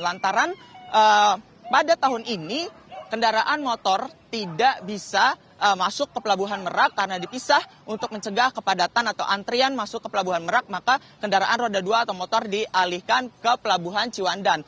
lantaran pada tahun ini kendaraan motor tidak bisa masuk ke pelabuhan merak karena dipisah untuk mencegah kepadatan atau antrian masuk ke pelabuhan merak maka kendaraan roda dua atau motor dialihkan ke pelabuhan ciwandan